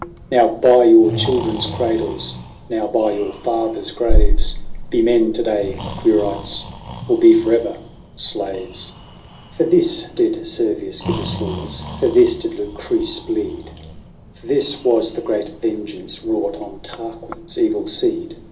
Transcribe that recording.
" Now, by your children's cradles, now, by your fathers' graves. Be men to day, Quirites, or be for ever slaves ! VIRGINIA. 163 For this did Servius give us laws ? For this did Lucrece bleed ? For this was the great vengeance wrought on Tarquin's evil seed